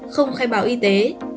không khai báo y tế